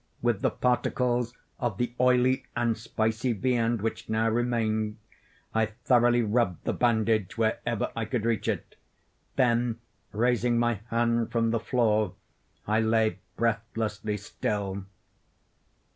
With the particles of the oily and spicy viand which now remained, I thoroughly rubbed the bandage wherever I could reach it; then, raising my hand from the floor, I lay breathlessly still.